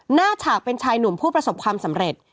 ฉากเป็นชายหนุ่มผู้ประสบความสำเร็จ